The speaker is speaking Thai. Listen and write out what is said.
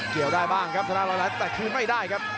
เกี่ยวได้บ้างครับธนาร้อยล้านแต่คืนไม่ได้ครับ